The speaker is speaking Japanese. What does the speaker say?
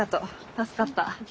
助かった。